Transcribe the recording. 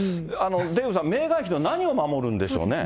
デーブさん、メーガン妃の何を守るんでしょうね。